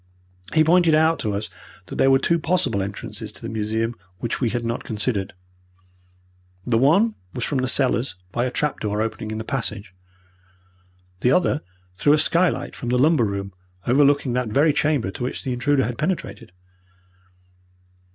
He pointed out to us that there were two possible entrances to the museum which we had not considered. The one was from the cellars by a trap door opening in the passage. The other through a skylight from the lumber room, overlooking that very chamber to which the intruder had penetrated.